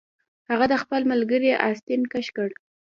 هغه د خپل ملګري آستین کش کړ